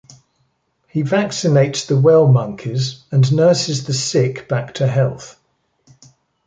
He vaccinates the well monkeys and nurses the sick back to health.